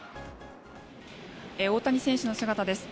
大谷選手の姿です。